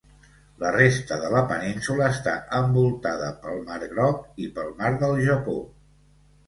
La resta de la península està envoltada pel mar Groc i pel mar del Japó.